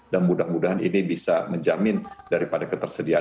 dan mudah mudahan ini bisa menjamin daripada ketersediaan